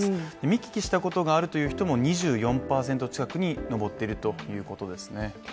見聞きしたことがあるという人も２４％近くに上っているということですね。